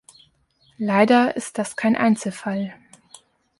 Leider ist das kein Einzelfall.